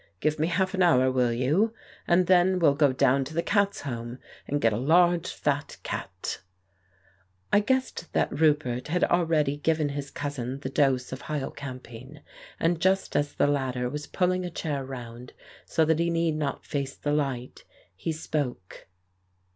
Give me half an hour, will you, and then we'll go down to the cats' home, and get a large fat cat." I guessed that Roupert had already given his cousin the dose of hyocampine, but just as the latter was pulling a chair round so that he need not face the light, he spoke.